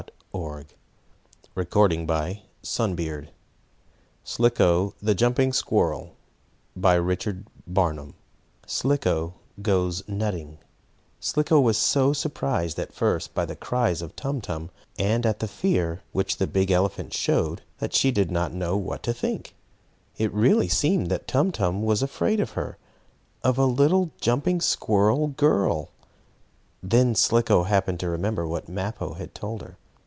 "Oh dear!" CHAPTER VI SLICKO GOES NUTTING Slicko was so surprised, at first, by the cries of Tum Tum, and at the fear which the big elephant showed, that she did not know what to think. It really seemed that Tum Tum was afraid of her of a little, jumping squirrel girl! Then Slicko happened to remember what Mappo had told her.